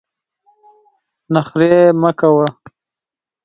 نخرې مه کوه !